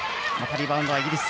リバウンドはイギリス。